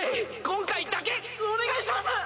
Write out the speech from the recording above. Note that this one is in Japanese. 今回だけお願いします